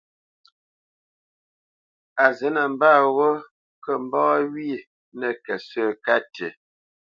A zǐ nəmbât ghó kə mbá wyê nə́kət sə̂ ka tî.